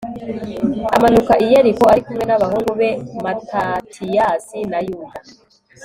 amanuka i yeriko ari kumwe n'abahungu be matatiyasi na yuda